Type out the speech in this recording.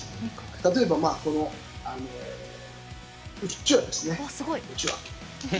例えば、うちわですね。